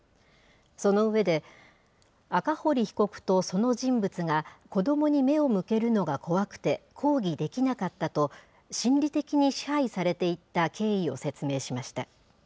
その上で、赤堀被告とその人物が、子どもに目を向けるのが怖くて抗議できなかったと、心理的に支配されていった経緯を説明しました。